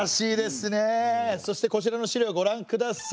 そしてこちらの資料ご覧ください。